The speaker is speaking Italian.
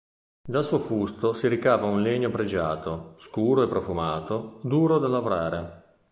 Dal suo fusto si ricava un legno pregiato, scuro e profumato, duro da lavorare.